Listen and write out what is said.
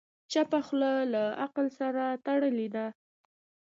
چپه خوله، له عقل سره تړلې ده.